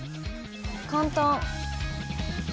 簡単。